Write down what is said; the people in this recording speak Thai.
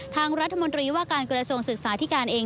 ทางรัฐมนตรีว่าการกระทรวงศึกษาธิการเอง